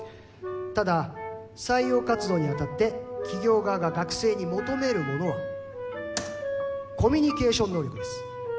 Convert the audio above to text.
ただ採用活動に当たって企業側が学生に求めるものはコミュニケーション能力です。